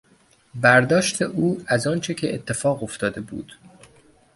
برداشت او از آنچه که اتفاق افتاده بود